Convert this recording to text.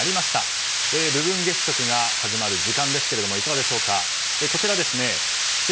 部分月食が始まる時間ですがいかがでしょうか。